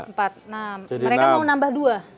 empat enam mereka mau nambah dua